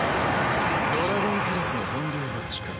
ドラゴンクラスの本領発揮か。